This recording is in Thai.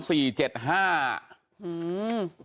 อืม